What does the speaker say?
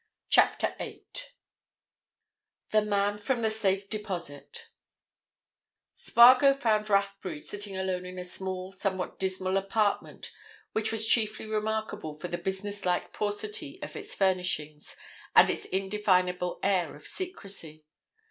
CHAPTER EIGHT THE MAN FROM THE SAFE DEPOSIT Spargo found Rathbury sitting alone in a small, somewhat dismal apartment which was chiefly remarkable for the business like paucity of its furnishings and its indefinable air of secrecy.